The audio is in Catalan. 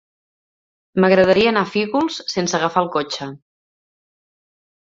M'agradaria anar a Fígols sense agafar el cotxe.